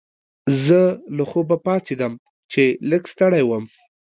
زه له خوبه پاڅیدم چې لږ ستړی وم.